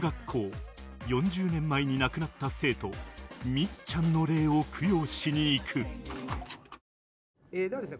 ４０年前に亡くなった生徒「みっちゃん」の霊を供養しに行くではですね